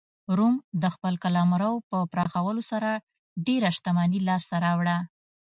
روم د خپل قلمرو په پراخولو سره ډېره شتمني لاسته راوړه